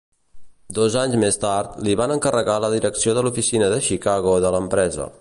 Dos anys més tard, li van encarregar la direcció de l'oficina de Chicago de l'empresa.